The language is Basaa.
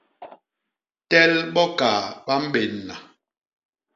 Tel bo kaa ba mbénna.